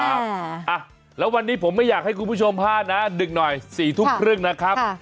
อ่ะแล้ววันนี้ผมไม่อยากให้คุณผู้ชมพลาดนะดึกหน่อย๔ทุ่มครึ่งนะครับ